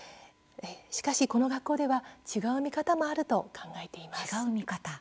しかし、この学校では違う見方もあると考えています。